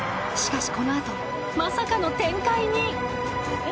［しかしこの後まさかの展開に］